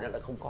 nó lại không có